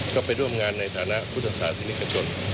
ก็ไปร่วมงานในฐานะพุทธศาสนิกชน